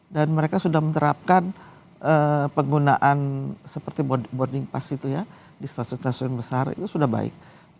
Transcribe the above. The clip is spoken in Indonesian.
dan mereka sudah menerapkan penggunaan seperti boarding pass itu ya di stasiun stasiun besar itu sudah baik